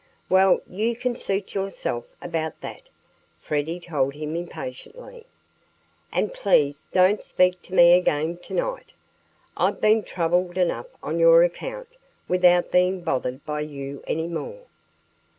"Well you can suit yourself about that," Freddie told him impatiently. "And please don't speak to me again to night! I've been troubled enough on your account without being bothered by you any more."